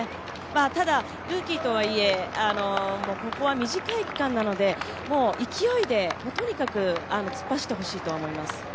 ただ、ルーキーとはいえここは短い区間なので勢いで、とにかく突っ走ってほしいと思います。